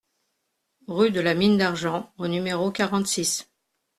Rue de la Mine d'Argent au numéro quarante-six